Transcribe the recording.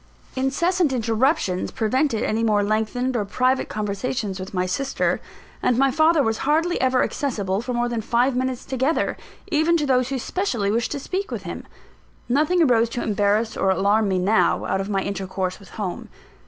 Incessant interruptions prevented any more lengthened or private conversations with my sister; and my father was hardly ever accessible for more than five minutes together, even to those who specially wished to speak with him. Nothing arose to embarrass or alarm me now, out of my intercourse with home.